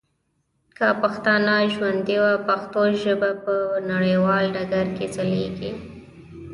که پښتانه ژوندي وه ، پښتو ژبه به په نړیوال ډګر کي ځلیږي.